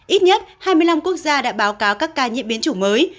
ít nhất hai mươi năm quốc gia đã báo cáo các ca nhiễm biến chủng mới